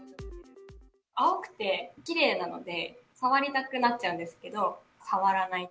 青くてきれいなので、触りたくなっちゃうんですけど、触らない。